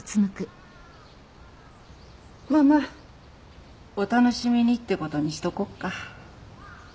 まあまあお楽しみにってことにしとこっか。